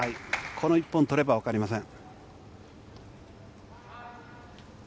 この一本取れば分かりません。